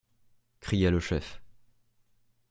cria le chef.